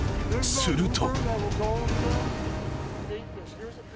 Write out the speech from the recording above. すると］